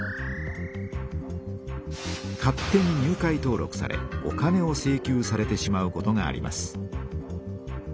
勝手に入会登録されお金を請求されてしまうことがあります。